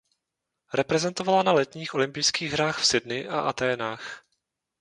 Reprezentovala na letních olympijských hrách v Sydney a Athénách.